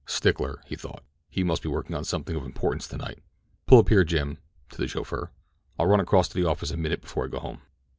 "Stickler," he thought. "He must be working on something of importance tonight. Pull up here, Jim!" to the chauffeur. "I'll run across to the office a minute before I go home."